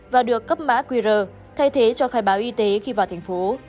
và được cấp mã qr thay thế cho khai báo y tế khi vào thành phố